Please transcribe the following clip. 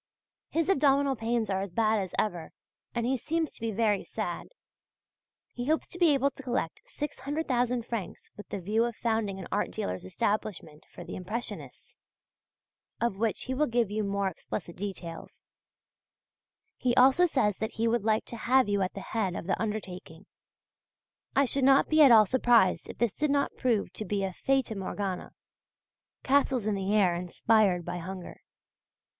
His abdominal pains are as bad as ever, and he seems to be very sad. He hopes to be able to collect 600,000 francs with the view of founding an art dealer's establishment for Impressionists, of which he will give you more explicit details; he also says that he would like to have you at the head of the undertaking. I should not be at all surprised if all this did not prove to be a Fata Morgana castles in the air inspired by hunger.